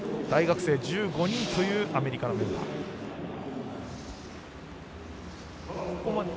大学生、１５人というアメリカのメンバー。